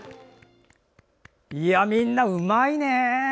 みんな、うまいね！